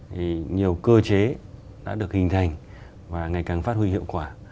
thì nhiều cơ chế đã được hình thành và ngày càng phát huy hiệu quả